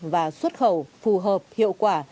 và xuất khẩu phù hợp hiệu quả